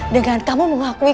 dengan kamu mengakui